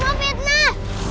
aku mau ke rumah